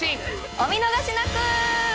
お見逃しなく！